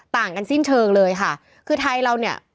ต่างกันสิ้นเชิงเลยค่ะคือไทยเราเนี่ย